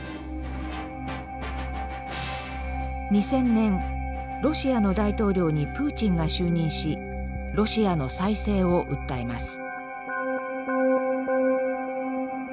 ２０００年ロシアの大統領にプーチンが就任しロシアの再生を訴えます。